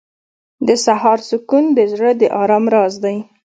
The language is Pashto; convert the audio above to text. • د سهار سکون د زړه د آرام راز دی.